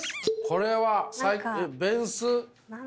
これはベンス？